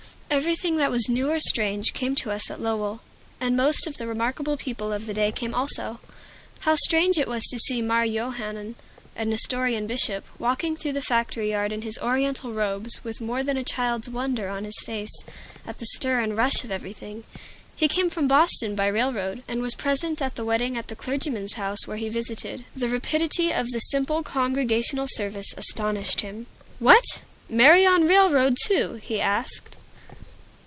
Everything that was new or strange came to us at Lowell. And most of the remarkable people of the day came also. How strange it was to see Mar Yohannan, a Nestorian bishop, walking through the factory yard in his Oriental robes with more than a child's wonder on his face at the stir and rush of everything! He came from Boston by railroad, and was present at the wedding at the clergyman's house where he visited. The rapidity of the simple Congregational service astonished him. "What? Marry on railroad, too?" he asked.